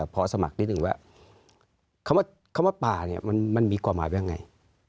พอสมัครนิดนึงว่าคำว่าป่าเนี่ยมันมีความหมายไปยังไง